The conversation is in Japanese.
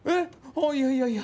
あいやいやいや。